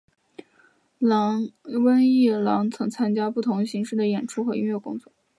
温逸朗曾参与不同形式的演出和音乐工作。